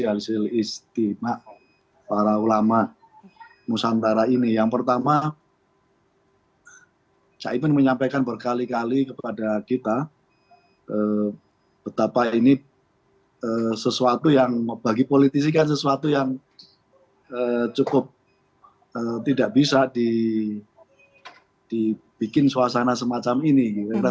pertama rekomendasi isi ijtima para ulama musantara ini yang pertama cak imin menyampaikan berkali kali kepada kita betapa ini sesuatu yang bagi politisi kan sesuatu yang cukup tidak bisa dibikin suasana semacam ini